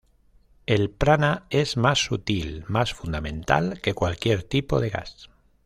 El prana es más sutil, más fundamental que cualquier tipo de gas".